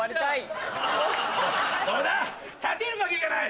立てるわけがない！